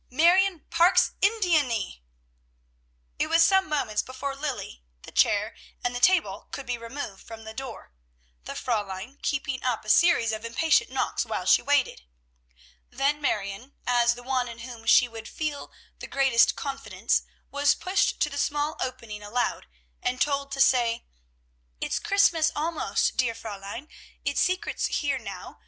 "Marione Parke's Indianee!" It was some moments before Lilly, the chair and the table, could be removed from the door, the Fräulein keeping up a series of impatient knockings while she waited. Then Marion, as the one in whom she would feel the greatest confidence, was pushed to the small opening allowed, and told to say, "It's Christmas, almost, dear Fräulein. It's secrets here now.